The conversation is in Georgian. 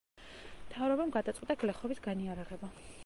მთავრობამ გადაწყვიტა გლეხობის განიარაღება.